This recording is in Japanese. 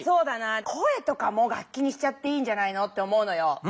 声とかも楽きにしちゃっていいんじゃないのって思うのよ。